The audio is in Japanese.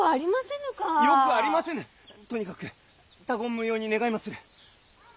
とにかく他言無用に願いまする。